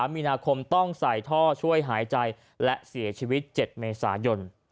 มีนาคมต้องใส่ท่อช่วยหายใจและเสียชีวิต๗เมษายน